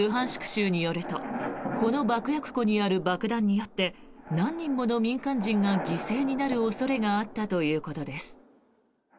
州によるとこの爆薬庫にある爆弾によって何人もの民間人が犠牲になる恐れがあったということです。